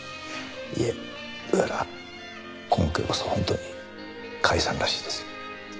いえどうやら今回こそ本当に解散らしいですよ。